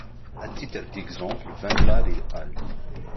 A titre d’exemple, Van Laar et al.